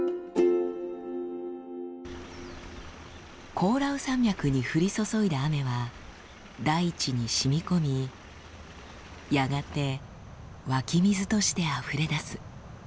コオラウ山脈に降り注いだ雨は大地にしみこみやがて湧き水としてあふれ出す。